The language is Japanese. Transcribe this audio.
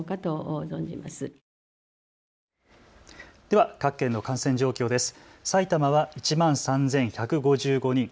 では各県の感染状況です。